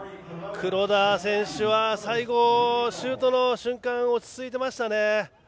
黒田選手、最後シュートの瞬間落ち着いていましたね。